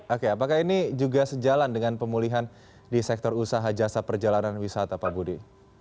oke apakah ini juga sejalan dengan pemulihan di sektor usaha jasa perjalanan wisata pak budi